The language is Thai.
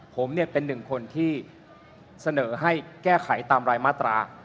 ผมเป็นหนึ่งคนที่เสนอให้แก้ไขตามรายมาตรา